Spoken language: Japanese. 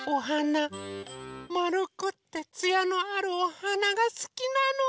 まるくってつやのあるおはながすきなの。